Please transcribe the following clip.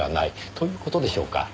という事でしょうか。